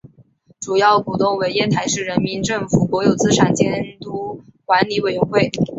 主要股东为烟台市人民政府国有资产监督管理委员会。